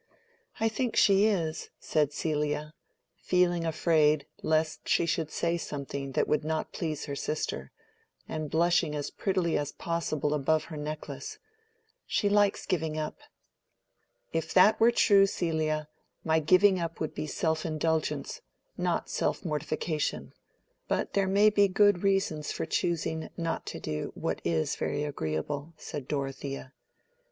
"I think she is," said Celia, feeling afraid lest she should say something that would not please her sister, and blushing as prettily as possible above her necklace. "She likes giving up." "If that were true, Celia, my giving up would be self indulgence, not self mortification. But there may be good reasons for choosing not to do what is very agreeable," said Dorothea. Mr.